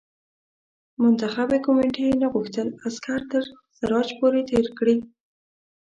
منتخبي کمېټې نه غوښتل عسکر تر سراج پور تېر کړي.